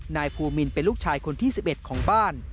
นายภูมินเป็นลูกชายคนที่๑๑ของบ้าน